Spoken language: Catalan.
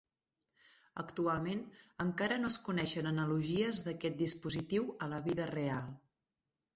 Actualment, encara no es coneixen analogies d'aquest dispositiu a la vida real.